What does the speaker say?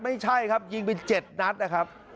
ไม่ใช่ครับยิงไป๗นัดนะครับ